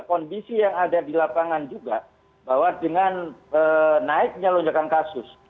kondisi yang ada di lapangan juga bahwa dengan naiknya lonjakan kasus